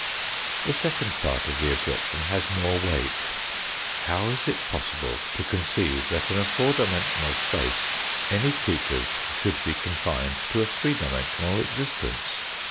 The second part of the objection has more weight. How is it possible to conceive that in a four dimensional space any creatures should be confined to a three dimensional existence?